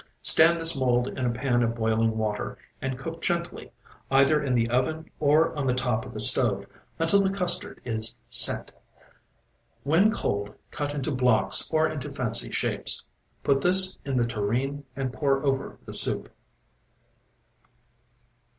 Stand this mold in a pan of boiling water and cook gently, either in the oven or on the top of the stove, until the custard is "set." When cold cut into blocks or into fancy shapes. Put this in the tureen and pour over the soup.